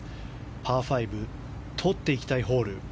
パー５、とっていきたいホール。